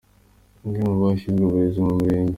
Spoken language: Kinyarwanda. Umwe mu bashinzwe uburezi mu Murenge.